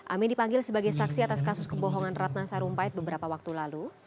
amin dipanggil sebagai saksi atas kasus kebohongan ratna sarumpait beberapa waktu lalu